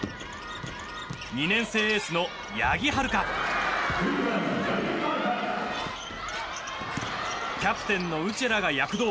２年生エースの八木悠香キャプテンのウチェらが躍動。